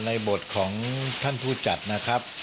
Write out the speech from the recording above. ในบทของท่านผู้จัดนะครับ